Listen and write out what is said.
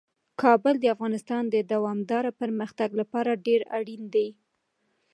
کابل د افغانستان د دوامداره پرمختګ لپاره ډیر اړین دی.